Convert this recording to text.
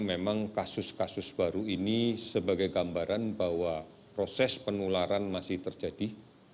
memang kasus kasus baru ini sebagai gambaran bahwa proses penularan masih terjadi